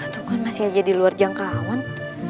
tuh kan masih aja di luar jangkauan